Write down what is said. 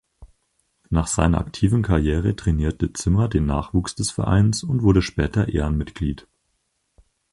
Nach seiner aktiven Karriere trainierte Zimmer den Nachwuchs des Vereins und wurde später Ehrenmitglied.